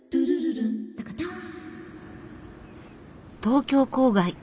東京郊外。